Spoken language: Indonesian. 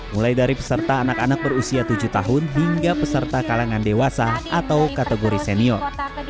mulai dari peserta anak anak berusia tujuh tahun hingga peserta kalangan dewasa atau kategori senior